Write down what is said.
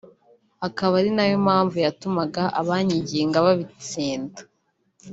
akaba ari nayo mpamvu yatumaga Abanyiginya babitsinda